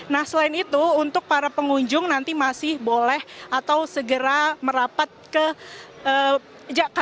nah selain itu untuk para pengunjung nanti masih boleh atau segera merapat ke jakarta